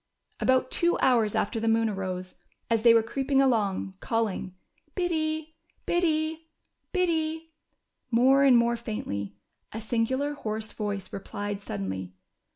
About two hours after the moon arose, as they were creeping along, calling "Biddy, Biddy, Biddy," more and more faintly, a singular, hoarse voice replied suddenly.